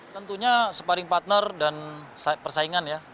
tentunya sparring partner dan persaingan ya